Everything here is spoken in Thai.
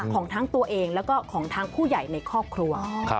ของทั้งตัวเองแล้วก็ของทั้งผู้ใหญ่ในครอบครัว